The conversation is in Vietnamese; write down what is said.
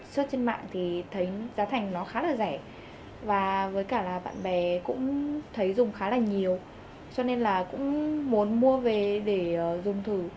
xuất trên mạng thì thấy giá thành nó khá là rẻ và với cả là bạn bè cũng thấy dùng khá là nhiều cho nên là cũng muốn mua về để dùng thử